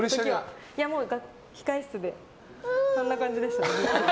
控室で、こんな感じでした。